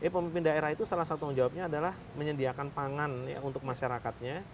pemimpin daerah itu salah satu menjawabnya adalah menyediakan pangan untuk masyarakatnya